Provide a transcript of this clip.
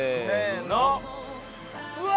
うわ！